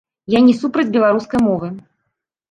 Я не супраць беларускай мовы.